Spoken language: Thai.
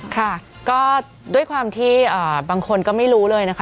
ค่ะก็ด้วยความที่บางคนก็ไม่รู้เลยนะคะ